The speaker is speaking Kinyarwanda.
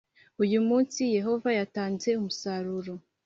Uyu munsi Yehova yatanze umusaruro